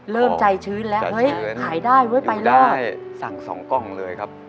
เริ่มใจชื้นแล้วเฮ้ยขายได้เว้ยไปได้สั่งสองกล้องเลยครับ